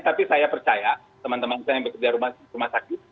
tapi saya percaya teman teman saya yang bekerja di rumah sakit